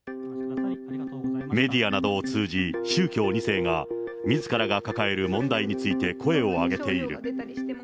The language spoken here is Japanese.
メディアなどを通じ、宗教２世がみずからが抱える問題について声を上げている。